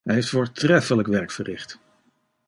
Hij heeft voortreffelijk werk verricht.